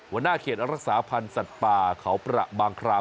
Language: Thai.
หัวหน้าเขตรักษาพันธ์สัตว์ป่าเขาประบางคราม